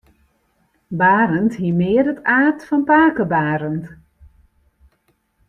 Barend hie mear it aard fan pake Barend.